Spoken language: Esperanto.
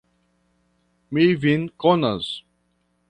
Mi vin konas.